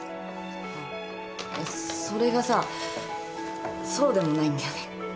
それがさそうでもないんだよね。